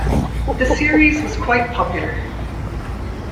The series was quite popular.